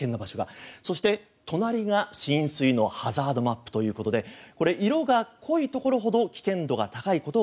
そして、隣が浸水のハザードマップということでこれ、色が濃いところほど危険度が高いことを